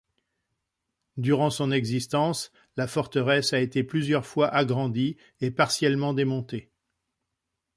Durant son existence la forteresse a été plusieurs fois agrandie et partiellement démontée.